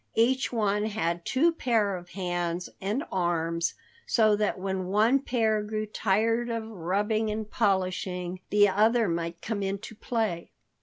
Each one had two pair of hands and arms so that when one pair grew tired of rubbing and polishing, the other might come into play.